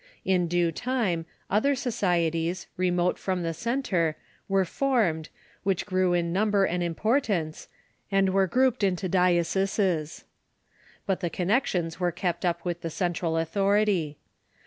In due time other societies, remote from the centre, were formed, which grew in number and importance, and were grouped into dioceses. But the connections were kept up with the cen tral authority.